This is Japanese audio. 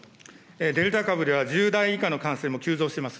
デルタ株では、１０代以下の感染も急増してます。